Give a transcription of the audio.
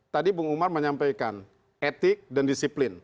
tadi bung umar menyampaikan etik dan disiplin